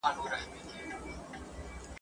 پايله يې داسي سوه